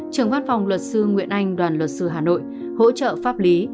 trưởng văn phòng luật sư nguyễn anh đoàn luật sư hà nội hỗ trợ pháp lý